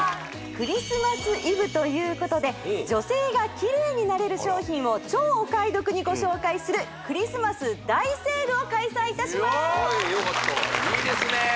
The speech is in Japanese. クリスマスイブということで女性がキレイになれる商品を超お買い得にご紹介するクリスマス大セールを開催いたしますいいですね